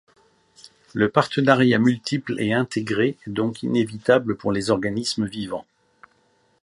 Le partenariat multiple et intégré est donc inévitable pour les organismes vivants.